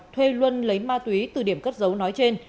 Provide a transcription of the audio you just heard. thuê luân lấy ma túy từ điểm cất dấu nói trên